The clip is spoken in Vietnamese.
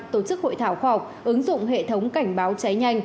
tổ chức hội thảo khoa học ứng dụng hệ thống cảnh báo cháy nhanh